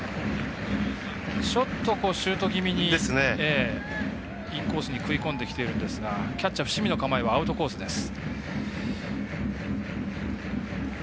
ちょっとシュート気味にインコースに食い込んできているんですがキャッチャー伏見の構えはアウトコースです。